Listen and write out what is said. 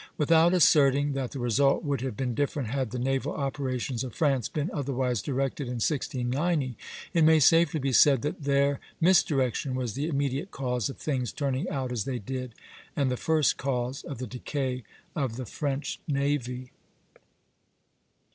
Without asserting that the result would have been different had the naval operations of France been otherwise directed in 1690, it may safely be said that their misdirection was the immediate cause of things turning out as they did, and the first cause of the decay of the French navy.